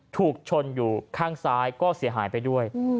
ถูกชนอยู่ข้างซ้ายก็เสียหายไปด้วย